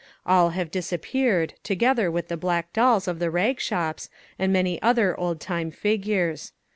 All have disappeared, together with the black dolls of the rag shops and many other old time figures.